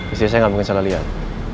istri saya nggak mungkin salah lihat